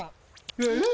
えっ？